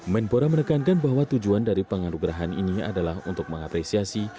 menpora menekan dan bahwa tujuan dari pengaruh gerahan ini adalah untuk mengapresiasi